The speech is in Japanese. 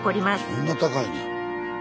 そんな高いねや。